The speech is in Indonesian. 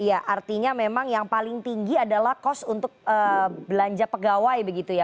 iya artinya memang yang paling tinggi adalah kos untuk belanja pegawai begitu ya